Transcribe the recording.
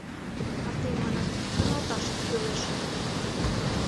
А тый манат — «каналташет кӱлеш».